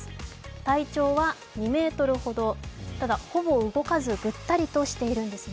体調は２ｍほど、ただほぼ動かずぐったりとしているんですね。